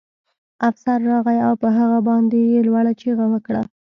افسر راغی او په هغه باندې یې لوړه چیغه وکړه